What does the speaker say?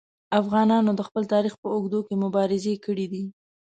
افغانانو د خپل تاریخ په اوږدو کې مبارزې کړي دي.